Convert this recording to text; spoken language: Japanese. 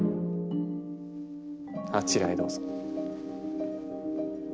あちらへどうぞ。